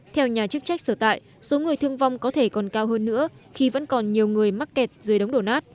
theo nhà chức trách sở tại số người thương vong có thể còn cao hơn nữa khi vẫn còn nhiều người mắc kẹt dưới đống đổ nát